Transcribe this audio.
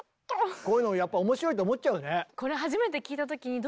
こういうのやっぱおもしろいと思っちゃうね。